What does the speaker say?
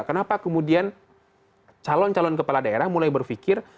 kenapa kemudian calon calon kepala daerah mulai berpikir